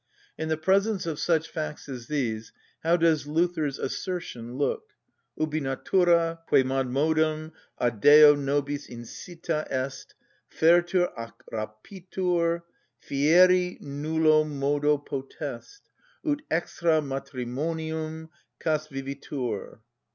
In the presence of such facts as these how does Luther's assertion look: "Ubi natura, quemadmodum a Deo nobis insita est, fertur ac rapitur, FIERI NULLO MODO POTEST, ut extra matrimonium caste vivatur"?